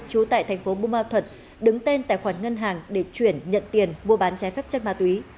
trú tại thành phố bù ma thuật đứng tên tài khoản ngân hàng để chuyển nhận tiền mua bán trái phép chất ma túy